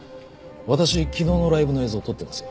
私昨日のライブの映像撮ってますよ。